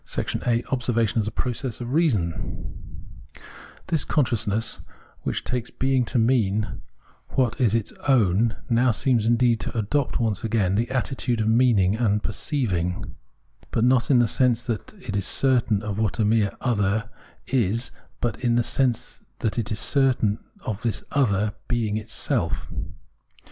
A OBSERVATION AS A PROCESS OP REASON This consciousness, whicti takes being to mean what is its own, now seems, indeed, to adopt once again the attitude of " meaning "* and " perceiving,"; but not in the sense that it is certain of what is a mere " other," but in the sense that it is certain of this "other" being itself.